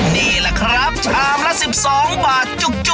นี่แหละครับชามละ๑๒บาทจุก